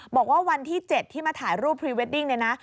บอกว่าวันที่๗ที่มาถ่ายรูปพรีเวดดิ้งเลยนะ